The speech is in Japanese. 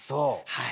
はい。